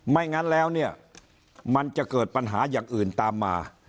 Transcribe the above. ไม่งั้นแล้วเนี่ยมันจะเกิดปัญหาอย่างอื่นตามมา